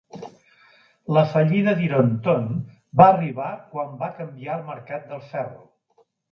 La fallida d'Ironton va arribar quan va canviar el mercat del ferro.